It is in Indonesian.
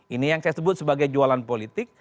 ini yang saya sebut sebagai jualan politik